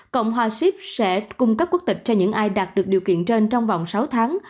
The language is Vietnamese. cộng hòa ship sẽ cung cấp quốc tịch cho những ai đạt được điều kiện trên trong vòng sáu tháng